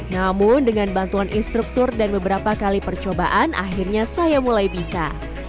namun dengan bantuan instruktur dan beberapa kali percobaan akhirnya saya mulai bisa